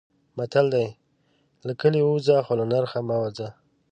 متل دی: له کلي ووځه خو له نرخه مه وځه.